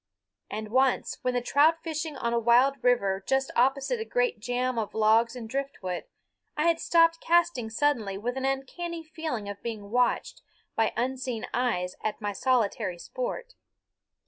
And once, when trout fishing on a wild river just opposite a great jam of logs and driftwood, I had stopped casting suddenly with an uncanny feeling of being watched by unseen eyes at my solitary sport.